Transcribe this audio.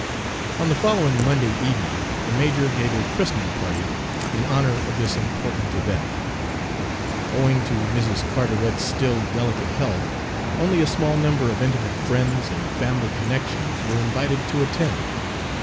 On the following Monday evening the major gave a christening party in honor of this important event. Owing to Mrs. Carteret's still delicate health, only a small number of intimate friends and family connections were invited to attend.